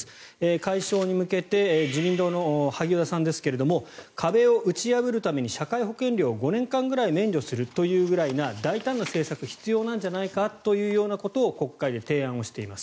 解消に向けて自民党の萩生田さんですけども壁を打ち破るために社会保険料を５年間ぐらい免除するというくらいな大胆な政策が必要なんじゃないかということを国会で提案をしています。